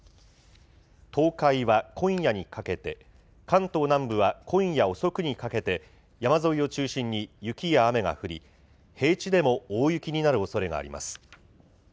東海は今夜にかけて、関東南部は今夜遅くにかけて、山沿いを中心に、雪や雨が降り、平地でも大雪になるおそれがあります。